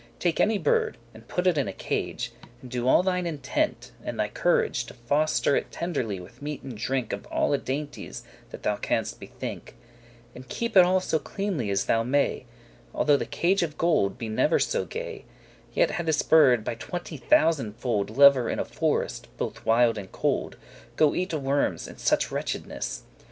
Take any bird, and put it in a cage, And do all thine intent, and thy corage,* *what thy heart prompts To foster it tenderly with meat and drink Of alle dainties that thou canst bethink, And keep it all so cleanly as thou may; Although the cage of gold be never so gay, Yet had this bird, by twenty thousand fold, Lever* in a forest, both wild and cold, *rather Go eate wormes, and such wretchedness.